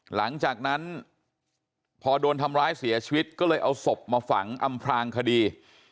หลังจากนั้นพอโดนทำร้ายเสียชีวิตก็เลยเอาศพมาฝังอำพลางคดี